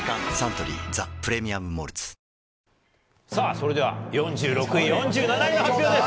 それでは、４６位、４７位の発表です。